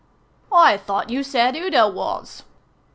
"I thought you said Udo was."